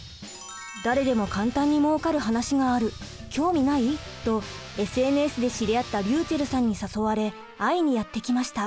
「誰でも簡単にもうかる話がある興味ない？」とＳＮＳで知り合ったりゅうちぇるさんに誘われ会いにやって来ました。